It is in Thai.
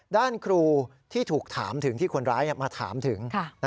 ด้านครูที่ถูกถามถึงที่คนร้ายมาถามถึง